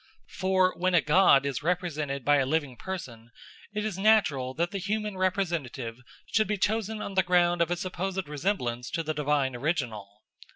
For when a god is represented by a living person, it is natural that the human representative should be chosen on the ground of his supposed resemblance to the divine original.